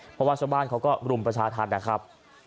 เพราะว่าชาวบ้านเขาก็รุมประชาธรรมนะครับ